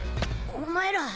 お前ら。